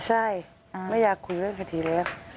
ใช่ไม่อยากคุยเรื่องคดีแล้ว